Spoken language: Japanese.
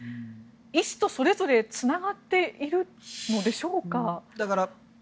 医師と、それぞれつながっているのでしょうか。